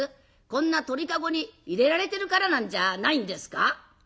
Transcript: こんな鳥籠に入れられてるからなんじゃないんですか？」。